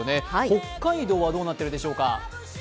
北海道はどうなっているでしょうか。